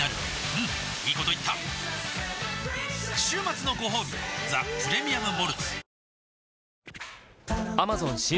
うんいいこと言った週末のごほうび「ザ・プレミアム・モルツ」おおーーッ